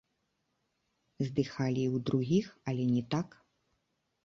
Здыхалі і ў другіх, але не так.